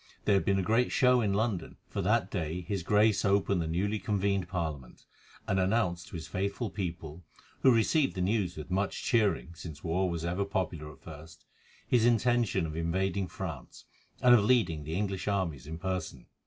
There had been a great show in London, for that day his Grace opened the newly convened Parliament, and announced to his faithful people—who received the news with much cheering, since war is ever popular at first—his intention of invading France, and of leading the English armies in person.